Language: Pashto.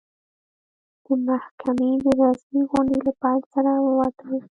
د محکمې د رسمي غونډې له پیل سره ووتل.